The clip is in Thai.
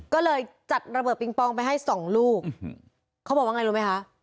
ก็เลยจัดระเบิดปิงปองไปให้สองลูกเขาบอกว่าไงรู้ไหมคะ